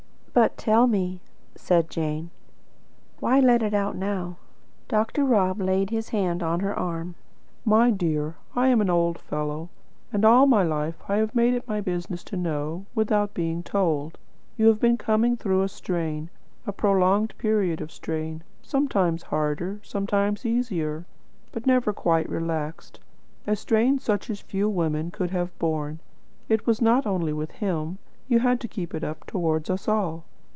"But tell me" said Jane "why let it out now?" Dr. Rob laid his hand on her arm. "My dear, I am an old fellow, and all my life I have made it my business to know, without being told. You have been coming through a strain, a prolonged period of strain, sometimes harder, sometimes easier, but never quite relaxed, a strain such as few women could have borne. It was not only with him; you had to keep it up towards us all.